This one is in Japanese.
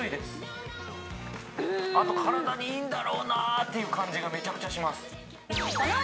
あと体にいいんだろうなっていう感じがめちゃくちゃします